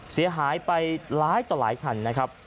เสียหายไปหลายต่อหลายคันนะครับ